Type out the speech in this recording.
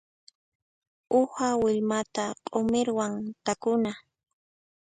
Uha willmata q'umirwan takuna.